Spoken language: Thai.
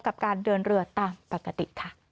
กับการเดินเรือตามปกติค่ะ